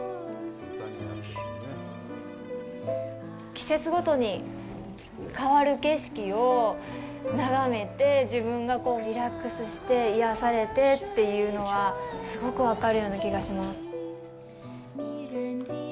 季節ごとに変わる景色を眺めて自分がリラックスして癒やされてというのはすごく分かるような気がします。